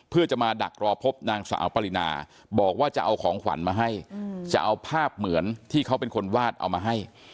เพื่อจะมาดักรอพบนางสาวปรินาบอกว่าจะเอาของขวัญมาให้จะเอาภาพเหมือนที่เขาเป็นคนวาดเอามาให้